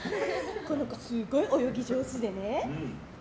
この子すごい泳ぎ上手でね。